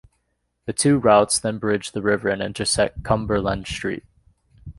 The two routes then bridge the river and intersect Cumberland Street.